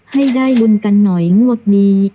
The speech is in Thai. ให้ได้ลุ้นกันหน่อยงวดนี้